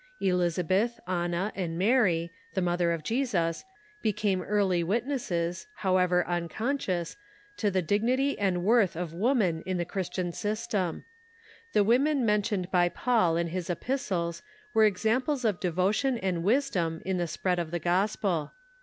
Elizabeth, Anna, and Mary, the mother of Jesus, be came earl}' witnesses, however unconscious, to the Elevation of Qigrnitv and Avorth of woman in the Christian sys Woman s J ., i x^ i • i •• teni. The women mentioned by I'aui in his epis tles were examples of devotion and wisdom in the spread of the gospel.